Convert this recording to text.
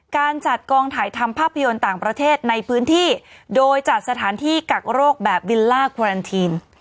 การจัดกองถ่ายทำภาพยนตร์ต่างประเทศในพื้นที่โดยจัดสถานที่กักโรคแบบวิลล่าควารันทีน